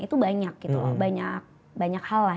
itu banyak gitu loh banyak hal lah